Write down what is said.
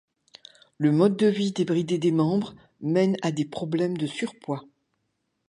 Le mode de vie débridé des membres mènent à des problèmes de surpoids.